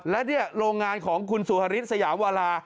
และโรงงานของคุณสู่ฮฤษฐ์สยามวารา